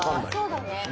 そうだね。